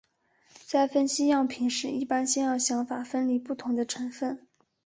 在分析样品时一般先要想法分离不同的成分。